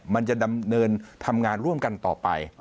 มันจะดำเนินทำงานร่วมกันต่อไป